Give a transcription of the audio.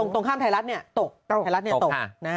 ตรงข้ามไทรัศน์เนี่ยตกไทรัศน์เนี่ยตก